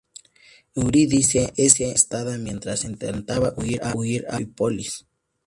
Eurídice es arrestada, mientras intentaba huir a Anfípolis.